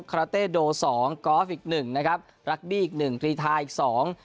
คาราเต้โดสองกอล์ฟอีกหนึ่งนะครับรักบี้อีกหนึ่งกรีทาอีกสอง